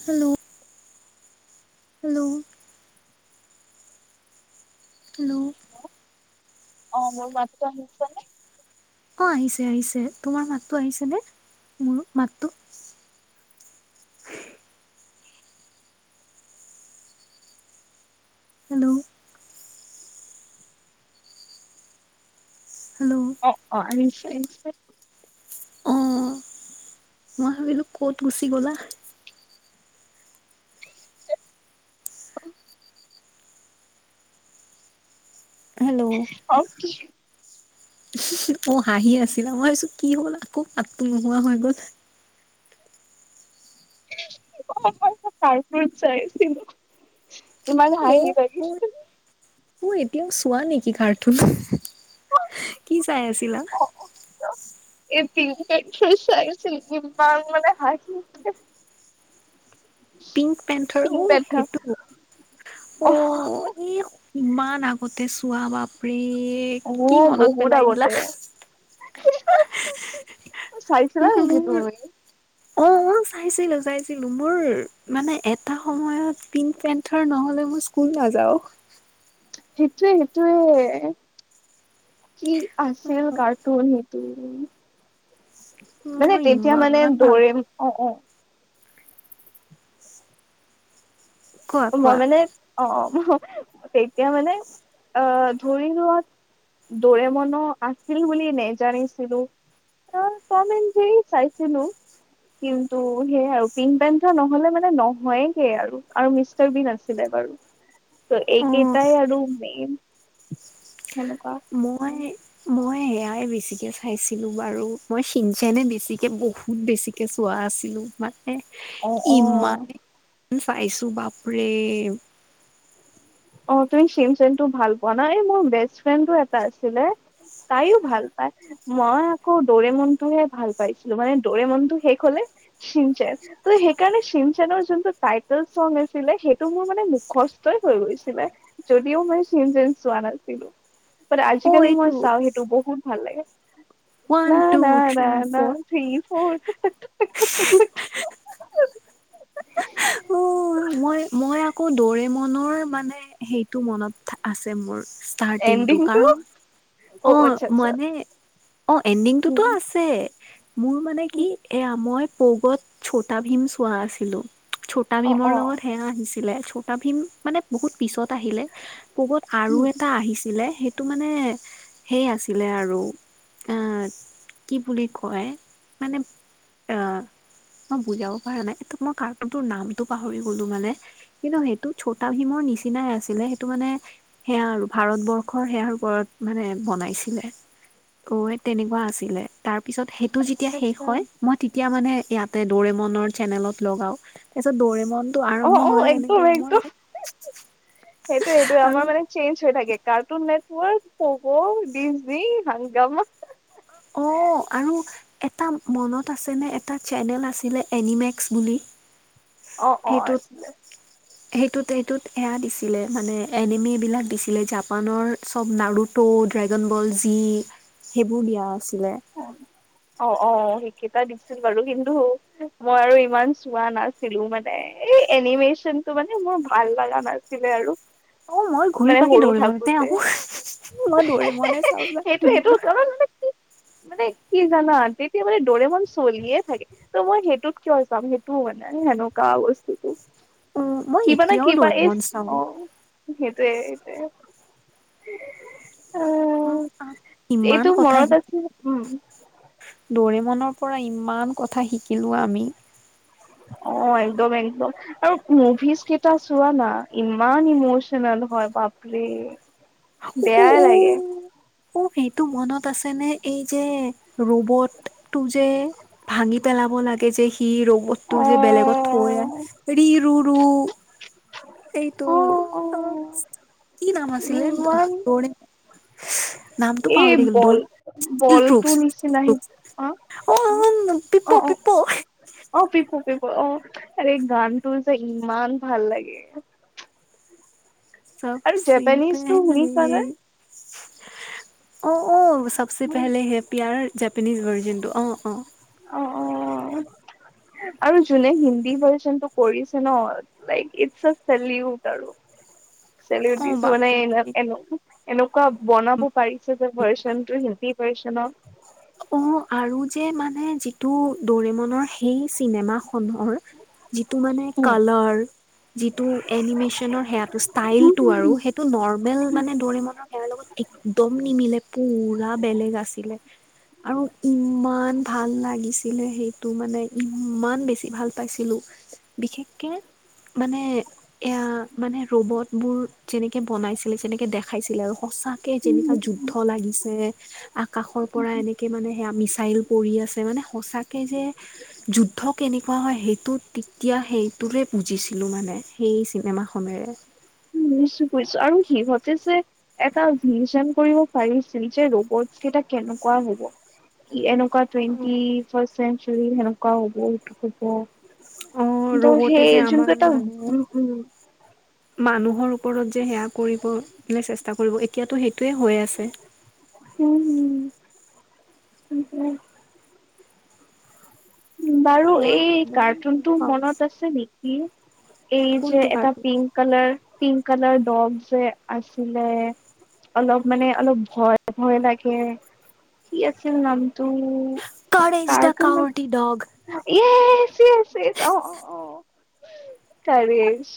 Hello. Hello. Hello. অ', মোৰ মাতটো শুনিছা নে? অ', আহিছে আহিছে তোমাৰ মাতটো আহিছে নে মোৰ মাতটো? [inaudible] হেল্ল'। হেল্ল' অ', অ', আহিছে আহিছে। অ মই ভাবিলো ক'ত গুচি গ'লা। হেল্ল' অ', কি অ', হাঁহি আছিলা মই ভাবিছো কি হ'ল আকৌ মাতটো নোহোৱা হৈ গ'ল। অ', মই তাৰ ওপৰত চাইছিলো। ইমানো অ হাঁহি অ লাগছে। অ এতিয়াও চোৱা নেকি কাৰতোন? কি চাই আছিলা? অ। অ [unintelligible] ইমান মানে হাঁহি উঠে। পিংক পেন্টৰ অ' সেইটো। অহ অ', ই ইমান আগতে চোৱা বাপৰে। অ কি মনত বহুত পেলাই দিলা। আগতে চাইছিলা নেকি মোৰ তুমি? অ' চাইছিলোঁ চাইছিলোঁ, মোৰ মানে এটা সময়ত পিট পেন্থৰ নহলে মোৰ স্কুল না যাওঁ। সেইটোয়ে সেইটোয়ে। কি আছিল কাৰ্টুন সেই তো মানে মই তেতিয়া ইমান মানে ভাল দ'ৰিম অ', অ'। কোৱা মই কোৱা মানে অ', অ'। [inaudible] তেতিয়া মানে অ', ধৰি লোৱা দ'ৰিমনো আছিল বুলি নেজানিছিলো। এ তম এণ্ড জেৰী চাইছিলোঁ। কিন্তু সেইয়ে আৰু পিং পেন্থৰ ন'হলে মানে নহয়গে আৰু, আৰু মিছ মিষ্টাৰ বীণ আছিলে বাৰু। ত' অ এইকেইটাই আৰু মেইন। সেনেকুৱা মই মই এয়াই বেছিকে চাইছিলোঁ বাৰু, মই সিনচেনে বেছিকে বহুত বেছিকে চোৱা। আছিলো মানে, অ অ ইমানেই চাইছোঁ বাপৰে। অ', তুমি সিনচেনটো ভাল পোৱা না, এই মোৰ বেষ্ট ফ্ৰেণ্ডো এটা আছিলে। তাইও ভাল পায়, মই আকৌ দ'ৰেমনটোহে ভাল পাইছিলোঁ মানে দ'ৰেমনটো শেষ হলে সিনচেন, ত' সেইকাৰণে সিনচেনৰ যোনটো টাইটেল চং আছিলে সেইটো মোৰ মানে মুখস্ ষ্টই হৈ গৈছে ছিলে, যদিও মই সিনচেন চোৱা নাছিলোঁ, বাট অ আজিকালি মই এইটো চাওঁ সেইটো বহুত ভাল লাগে। ন ওৱান টু না ন থ্ৰী না ফ'ৰ থ্ৰী ফ'ৰ [inaudible] [inaudible] মই মই আকৌ দ'ৰে মনৰ মানে সেইটো মনত থা-আছে মোৰ। ষ্টাৰ্টিংটো এণ্ডিংটো কাৰণ, অ', আচ্ছা আচ্ছা মানে অ', এণ্ডিংটোতো আছে। মোৰ মানে কি এয়া মই প'গত ছ'টাভীম চোৱা আছিলোঁ, অ ছ'টাভীমৰ অ লগত সেয়া আহিছিলে। ছটাভীম মানে বহুত পিছত আহিলে, প'গত আৰু উম এটা আহিছিলে। সেইটো মানে, সেই আছিলে আৰু। অ', কি বুলি কয় মানে অ মই বুজাব পৰা নাই, মই কাৰ্নটোৰ নামটো পাহৰি গলোঁ মানে। কিন্তু সেইটো ছটাভিমৰ নিচিনাই আছিলে সেইটো মানে সেয়া আৰু ভাৰতবৰ্ষৰ সেয়াৰ ওপৰত মানে বনাইছিলে। কৈ তেনেকুৱা আছিলে, তাৰ পিছত সেইটো যেতিয়া আচ্ছা শেষ আচ্ছা হয়, মই তেতিয়া মানে ইয়াতে দ'ৰিমনৰ চেনেলত লগাওঁ। তাৰপিছত দ'ৰিমনতটো আৰম্ভ হয় এনেকে মই [unintelligible] সেইটোয়েইটো আৰু আমাৰ মানে চেঞ্জ হৈ থাকে কাৰ্টুন নে মোৰ প'গ, ডিজনি আৰু [unintelligible] অ', আৰু এটা মনত আছেনে এটা চেনেল আছিলে এনিমেক্স বুলি? [unintelligible] অ', অ', আছিলে। সেইটোত সেইটোত এয়া দিছিলে মানে এনিমিবিলাক দিছিলে জাপানৰ চব নাৰুত ত' ড্ৰেগন বল জি, সেইবোৰ দিয়া আছিলে অ', অ', অ', সে কেইটা দিছিল বাৰু, কিন্তু মই আৰু ইমান চোৱা নাছিলোঁ মানে এই এনিমেচন কিন্তু মানে মোৰ ভাল লগা নাছিলে আৰু অ', মই ঘূৰি মানে পাকি সৰু দ'ৰিমনতে থাকোতে আহোঁ [inaudible] মই দ'ৰিমনে চাওঁ সেইটো সেইটো [unintelligible] কাৰণ মানে কি মানে কি জানা তেতিয়া মানে দ'ৰিমন চলিয়ে থাকে, ত মই সেইটোত কিয় চাম সেইটো হয়। নাই সেনোকা বস্তুতো অ' মই কিবা নে এতিয়াও কিবা এই দৰেমন চাওঁ অ সেইটয়ে এইটোয়ে উ ইমান কথাাহি মনত আছে উম দৰে মনৰ পৰা ইমান কথা শিকিলো আমি অ একদম একদম আৰু মুভিজ কেইটা চোৱা না ইমান ইমচনেল নহয় বাপৰি বেয়াই লাগে অ সেইটো মনত আছে নে এই যে ৰবট টো যে ভাঙি পেলাব লাগে যে কি অ ৰবতটো যে বেলেগত থৈ আহ ৰি ৰু ৰু এইটো অ কি নাম আছিলে দ ইমান নামটোো পাহ এই থ গিল দ বল বলটো নিচিনা আহি অ অ অ পিপো অ পিপো অ পিপু পিপু অ আ গানটো যোই ইমান ভাল লাগে আৰু চবচ জেপানিজটো পেলে শুনিছানে অ অ চবচে পেলে হে পিয়াৰ জেপানিজ ভৰ্জিনটো অ অ উ আৰু যোনে হিন্দী ভাৰটো কৰিছে ন ই উ চেলিব্ৰটিছ মানে এ এনেকুৱা বনাব পাৰিছে যে ভাৰ্চন কি পছ ন অ', আৰু যে মানে যিটো দৰেমনৰ সেই চিনেমা যিটো মানে কালাৰ যিটো এনিমেচনৰ সেটো ষ্টাইলটো আৰু সেইটো নৰ্মেল মানে দৰিমণ সেৱাৰ লগত একদম নিমিলে পুৰা বেলেগ আছিলে। আৰু ইমান ভাল লাগিছিলে সেইটো মানে ইমান বেছি ভাল পাইছিলো বিশেষকে মানে এয়া মানে ৰবত বোৰ যেনেকে বনাইছিলে যেনেকে দেখাইছিলে আৰু সঁচাকে যেনেকা বুজিছো যুদ্ধ লাগিছে আকাশৰ পৰা এনে সেয়া মিছাইল পৰি আছে মানে সঁচাকে যে যুদ্ধ কেনেকুৱা হয় সেইটোত তেতিয়া সেইটোৱৰে বুজিছিলোঁ মানে সেই চিনেমাখনেৰে ছো আৰু সিহঁতে যে এটা ভিন কৰিব পাৰিছিল যে ৰবট কেইটা [inaudible] কেনেকুৱা হব এনেকুৱা টেণ্টি ফ চেঞ্চুৰিনেকুৱা হব উ অ', হব ত ৰবটে যে সেই আমাৰ যোনক এটা মানে উ উম মানুহৰ ওপৰত যে সেয়া কৰিব চেষ্টা কৰিব এতিয়াতো সেই হৈ আছে। সক বাৰু মই এই ইমান ভাল কাৰ্টুনটো পাওঁ মনত আছে নেকি এই যে কোনটো এটা cartoon pink colour pink colour dog যে আছিলে। অলপ মানে অলপ ভয় ভয় লাগে কি আছিল নাম কাৰ এইজ কাৱৰট ডগ এ চ অ অ অ কৰিছ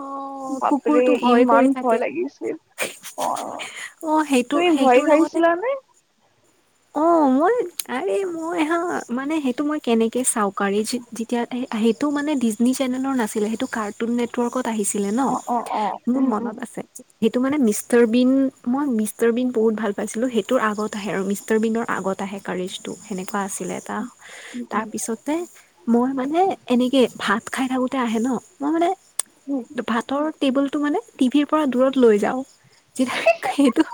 অ' বাপৰে কুকুৰটো ভয় ইমান কৰি ভয় থাকে। লাগিছিল অ অ' সেইটো তুমি ভয় সেইটোৰ লগতে খাইছিলা নে অ মই আ মই হা মানে সেইটো মই কেনেকে চাকাৰে [inaudible] এতিয়া সেইটো মানে ডিজী চেনেলৰ নাছিলে সেইটো কাৰ্টুন নেটৱৰ্কত আহিছিলে ন অ অ অ মোৰ উম উম মনত আছে সেইটো মানে মিষ্টাৰ বিন মই মিষ্টাৰ বিন বহুত ভাল পাইছিলো সেইটোৰ আগত আহে আৰু মি া আ উম তাৰপিছ মই ম [inaudible] সেই এনেকে ভাত খাই থাকোতে আহে ন, মই মানে উম উম ভাতৰ টেবুল টো মানে টিভিৰ পৰা দূৰত লৈ যাও। সেইটো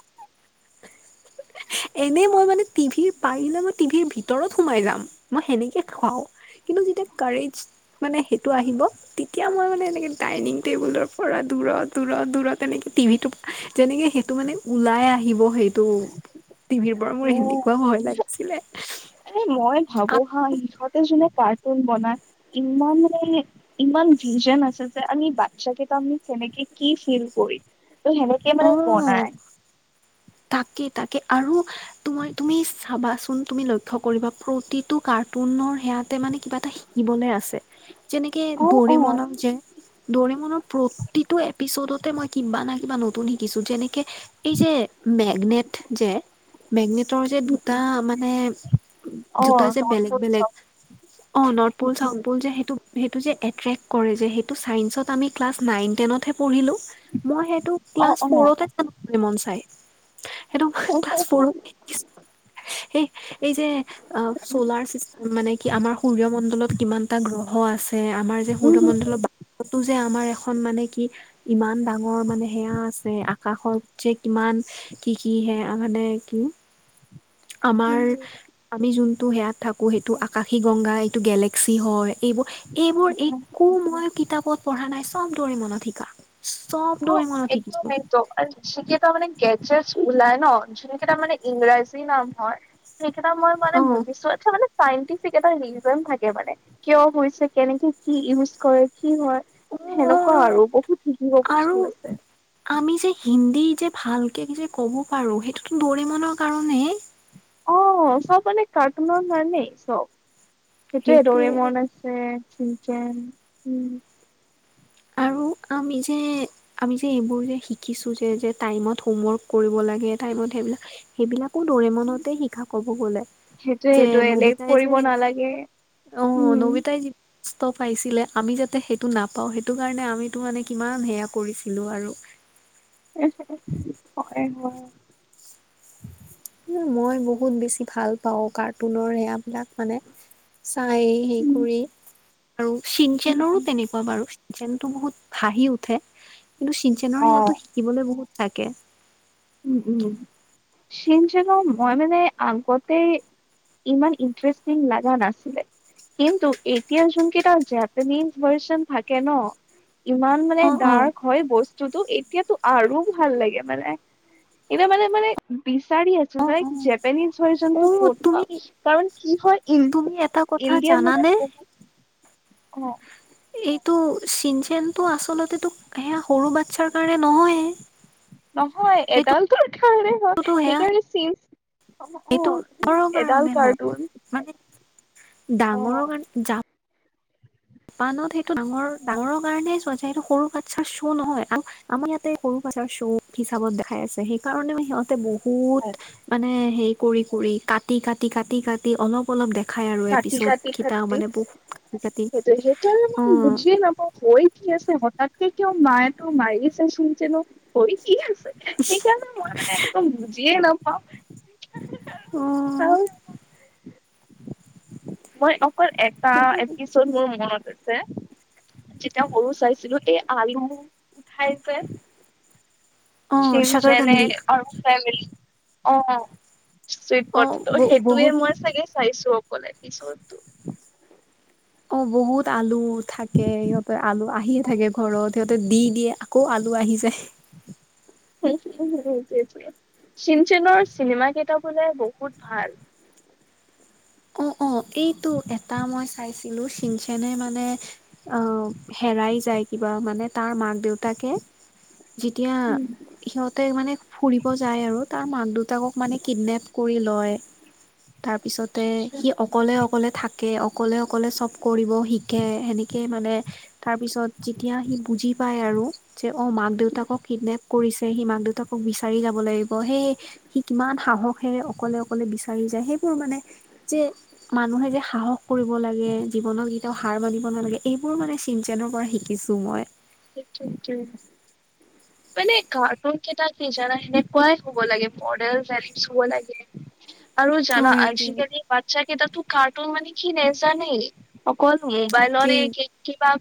এই এনেই মই মানে টিভিৰ পাৰিলে মই টিভিৰ ভিতৰত সোমাই যাম। মই সেনেকে খুৱাও। কিন্তু যেতিয়া কাৰেজ মানে সেইটো আহিব, তেতিয়া মই মানে এনেকে ডাইনিং টেবুলৰ পৰা দূৰত-দূৰত-দূৰত তেনেকে টিভিটো যেনেকে সেইটো মানে ওলাই আহিব সেইটো। টিভিৰ পৰা। মোৰ এনেকুৱা ভয় লাগিছিলে। এ মই ভাবো হা সিহঁত জুনে কাৰ্টুন বনাই, ইমান ইমান ভিজন আছে যে আমি বাচ্ছা কেইটা সেনেক কি ফিল কৰিম। ত সেনেকে মানে অ বনায়। তাকে তাকে আৰু তোমাৰ তুমি চাবাচোন তুমি লক্ষ্য কৰিবা, প্ৰতিটো কাৰ্টুনৰ সেয়াতে মানে কিবা এটা শিকিবলে আছে। যেনেকে অ অ দৌৰিমনক যে দৰিমণত প্ৰতিটো এপিছডতে মই কিবা না কিবা নতুন শিকিছো, যেনেকে এই যে মেগনেট যে মেগনেটৰ যে উম দুটা উম মানে অ দুটা যে নৰ্থ বেলেগ বেলেগ অ north um pole um south pole যে সেইটো সেইটো যে এট্ৰেক্ট কৰে যে ত ছাইন্স আমি ক্লাছ নাইন টনতহে পঢ়িলো। মই সেইটো অ ক্লাছ অ ফৰতেন [unintelligible] চাই সেইটো ক্লাছ ফৰ--এই এই যে চলাৰ চিষ্টেম মানে কি আমাৰ সূৰ্য মণ্ডলত কিমান এটা গ্ৰহ আছে যে আমাৰ যে উম উম উম সূৰ্যমণ্ডলৰ বায়ুটো--যে আমাৰ এ খন মানে কি, ইমান ডাঙৰ মানে সেয়া আছে আকাশৰ যে কিমান কি কি হে আ মানে কি আমাৰ উম আমি যোনটো সেয়াত থাকো, সেইটো আকাশী গংগা এইটো গেলেক্সি হয়। এইবোৰ এইবোৰ অ একো মই কিতাপত পঢ়া নাই চব দৰে মনত শিকা। চব উ অ দৰিমনত একদম শিকিছো একদম আৰু শিকিয়টা মানে গ যে ওলাই ন যোনকেই তাৰ মানে ইংৰাজী নাম হয়, কেইটা মই মানে অ বুজিছো এ মানে চাইণ্টিফিক এটা ৰিজন থাকে মানে, কিয় হৈছে? কেনেকে কি ইউজ কৰে কি হয়। অ', সেনেকুৱা অ', আৰু বহুত শিকিব বস্তু আছে [inaudible] আমি যে হিন্দী যে ভালকে যে ক'ব পাৰো, সেইটোতো দৰিমনৰ কাৰণেই হে। অ চব মানে কাটনৰ মানেই চব। সেইটোৱে সেইটোৱে দৌৰেমন আছে, চিনচেন, উম। আৰু আমি যে আমি যে এইবোৰ যে শিকিছো যে যে টাইমত হোম ৱৰ্ক কৰিব লাগে, টাইমত সেইবিলাক সেইবিলাক একো দৰিমনতে শিকা কব গ'লে, সেইটোয়ে যে সেইটোয়ে লেট নবিতাই কৰিব যে নালাগে অ উম নবিতাই যি পাইছিলে আমি যাতে সেইটো নাপাওঁ। সেই সেইটো কাৰণে আমিতো মানে কিমান সেয়া কৰিছিলো আৰু। হয় হয়। মই বহুত বেছি ভাল পাওঁ কাৰ্টুনৰ সেয়া বিলাক মানে। চাই, সেই উম কৰি আৰু উম চিনচেনৰো উম তেনেকুৱা বাৰু চিিচেনটো বহুত হাঁহি উঠে। কিন্তু চিচেনৰ অ', সেৱটো শিকিবলৈ বহুত থাকে। উম, উম চিনচেনৰ মই মানে আগতে ইমান ইণ্টাৰেষ্টিং লগা নাছিলে। কিন্তু এতিয়া যুনকেইটা জাপানিজ ভাৰ্চন থাকে ন। ইমান মানে অ অ ডাৰ্ক হয় বস্তুতটো, এতিয়াতো আৰু ভাল লাগে মানে। এটা মানে মানে বিচাৰি আছে। অ তাই অ জেপানিজ হয় অ যন্তু কৰবা তুমি কাৰণ কি হয়। তুমি এটা কথা ইডিয় ম জানানে ব অ কিটো চিন চেনটো আচলতেো সেয়া সৰু বাচ্ছাৰ কাৰণে নহয়ে নহয় সেইটোতো এডালটোৰ কাৰণে হও সেয়া সেইকাৰণে চ অ অ সেইটো ডাঙৰৰ এডাল কাৰ্টোুন ডাঙৰো গান যাম জাপানত সেইটো ডাঙৰ ডাঙৰৰ কাৰণে চোৱা যায় সেইটো সৰু কাছা চও নহয় আৰু আমাৰ ইয়াতে সৰু চ হিচাপত দেখাই আছে সেই কাৰণেি সিহঁতে বু বহুত মানে হে কৰি কৰি কাটি কাটি কাটি কাটি অলপ অলপ দো খাই আৰু এ কাটি পিছত কাটি খতিটাা মানে বহুত কাটি কাটি অ ই মুজিে নাপই থ আছে হঠাৎকে কিয় মাটো মাৰি আছে চোন যেনো হৈহি আছে সেইকাৰণে মই মানে একদম বুজিয়ে নাপাওঁ অ আৰু মই অকল এটা কিন্তু এপিছড মোৰ মনত আছে যেতিয়া সৰু চাইছিলো এই আৰিম উঠাই যে অ শিৱজেনে শাকাৰকান্দি আৰু ফেমি অ চুইট অ প সেইটোয়ে বহুত মই চাগে চাইছো অকলে পিছতো অ বহুত আলু থাকে সিহঁতে আলু আহিয়ে থাকে ঘৰত সিহঁতে দি দিয়ে আকৌ আলু ল আহি যায় চিিনচেনৰ চিনেমা কেইটা বোলে বহুত ভাল অ', অ এইটো এটা মই চাইছিলো চংচেনে মানে অ হেৰাই যায় কিবা মানে তাৰ মাক দেউতাকে যেতিয়া ভাল। সিহঁতে মানে ফুৰিব যায় আৰু তাৰ মাক দুত উতাকক মানে কিডনেপ কৰি লয় তাৰপিছতে সি অকলে অকলে থাকে অকলে অকলে চব কৰিব শিকে সেনেকেই মানে তাৰ পিছত তেতিয়া সি বুজি পায় আৰু [unintelligible] যে অ মাক দেউতাকক কিডনেপ কৰিছে সি মাক দেউতাকক বিচাৰি যাব লাগিব হেই সি কিমান সাহসেৰে অকলে অকলে বিচাৰি যায় সেইবোৰ মানে যে মানুহে যে সাহস কৰিব লাগে জীৱনত কেতিয়াও হাৰ বান্ধিব নালাগে এইবোৰ মানে চিন্তেনৰ পৰা শিক কিছু সময় নিঠ উ মানে কাৰ্টুন কেইটাৰ কিেইজানা সেনেকুৱাই শুব লাগে মডেল এছ হুব লাগে উ আৰু জানা আজিকালি বাচ্ছা কেতাতো কাৰ্টুন মানে কি নেজা নেই অকল মোবাইলৰে তাকেই কিবা